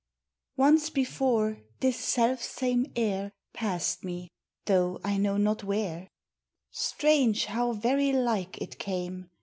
Oxce before, this self same air Passed me, though I know not where. MEMORY. 305 Strange ! how very like it came